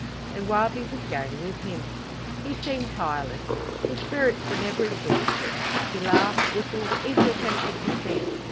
And Wabi was going with him! He seemed tireless; his spirits were never exhausted; he laughed, whistled, even attempted to sing.